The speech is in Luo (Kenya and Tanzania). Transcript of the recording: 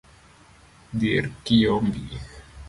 Dhier kiyombi